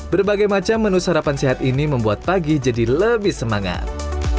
berbagai macam menu sarapan sehat ini membuat pagi jadi lebih semangat